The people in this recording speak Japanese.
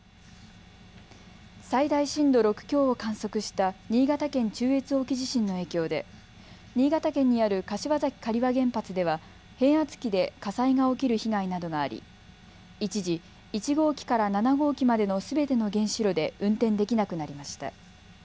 最大震度６強を観測した新潟県中越沖地震の影響で新潟県にある柏崎刈羽原発では変圧器で火災が起きる被害などがあり一時、１号機から７号機までのすべての原子炉で運転できなくなりました。